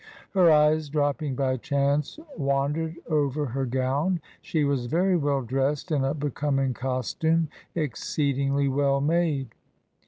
Her eyes dropping by chance wan dered over her gown. She was very well dressed in a becoming costume exceedingly well made.